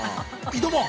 ◆挑もう。